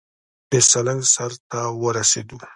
د سالنګ سر ته ورسېدو.